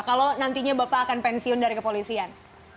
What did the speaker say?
kalau nantinya bapak akan pensiun dari kepolisian